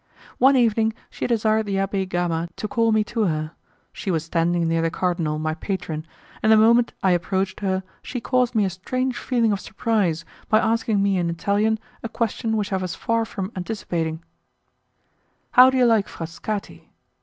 One evening she desired the Abbé Gama to call me to her; she was standing near the cardinal, my patron, and the moment I approached her she caused me a strange feeling of surprise by asking me in Italian a question which I was far from anticipating: "How did you like Frascati?"